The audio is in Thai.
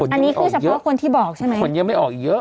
อันนี้คือเฉพาะคนที่บอกใช่ไหมคนยังไม่ออกอีกเยอะ